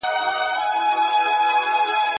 د کابل او مسکو ترمنځ سوداګریز پروازونه ولي ځنډېدلي دي؟